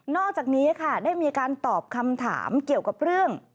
อกจากนี้ค่ะได้มีการตอบคำถามเกี่ยวกับเรื่อง